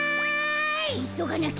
いそがなきゃ。